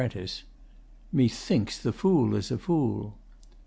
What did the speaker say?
] Methinks the Fool is a fool.